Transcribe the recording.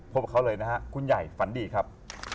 พบเขาเลยนะครับคุณใหญ่ฝันดีครับ